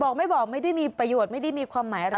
บอกไม่บอกไม่ได้มีประโยชน์ไม่ได้มีความหมายอะไร